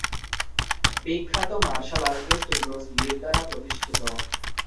বিখ্যাত martial artist Bruce লির দ্বারা প্রতিষ্ঠিত।